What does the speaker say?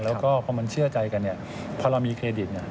แล้วก็พอมันเชื่อใจกันเพราะเรามีเครดิต